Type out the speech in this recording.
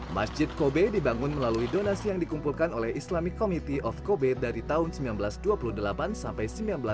masjid kobe dibangun melalui donasi yang dikumpulkan oleh islamic committee of kobe dari tahun seribu sembilan ratus dua puluh delapan sampai seribu sembilan ratus sembilan puluh